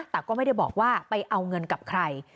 แต่ก็ไม่ได้บอกว่าไปเอาเงินกับใคร